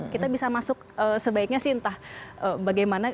kita bisa masuk sebaiknya sih entah bagaimana